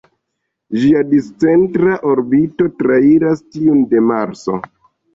Ĝia discentra orbito trairas tiun de Marso.